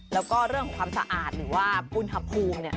แล้วก็เรื่องของความสะอาดหรือว่าอุณหภูมิเนี่ย